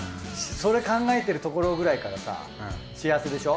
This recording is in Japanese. それ考えてるところくらいから幸せでしょ。